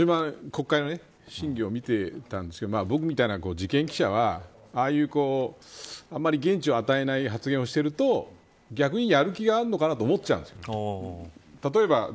国会の審議を見ていたんですけど僕みたいな事件記者はああいう、あまり言質を与えな発言をしていると逆に、やる気があるのかなと思っちゃうんです。